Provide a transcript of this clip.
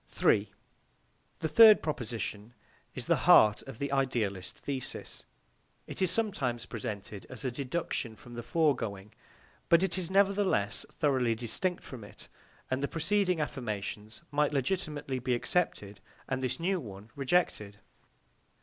3. The third proposition is the heart of the idealist thesis. It is sometimes presented as a deduction from the foregoing, but it is nevertheless thoroughly distinct from it, and the preceding affirmations might legitimately be accepted and this new one rejected.